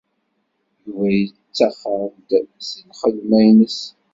Yuba yettaxer-d seg lxedma-nnes.